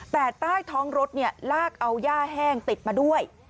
แต่ใต้ท้องรถลากเอาย่าแห้งติดมาด้วย